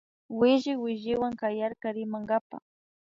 Williwilliwan kayarka rimankapa